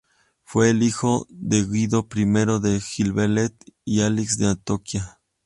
Fue el hijo de Guido I de Gibelet y Alix de Antioquía.